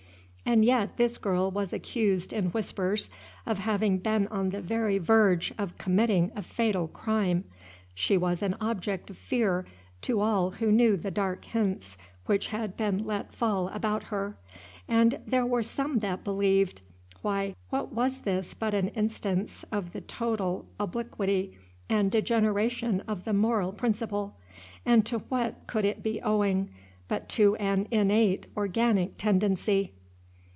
and yet this girl was accused in whispers of having been on the very verge of committing a fatal crime; she was an object of fear to all who knew the dark hints which had been let fall about her, and there were some that believed Why, what was this but an instance of the total obliquity and degeneration of the moral principle? and to what could it be owing, but to an innate organic tendency?